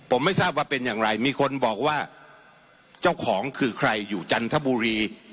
ผมไม่ทราบว่าเป็นอย่างไรมีคนบอกว่าเจ้าของคือใครอยู่จันทบุรี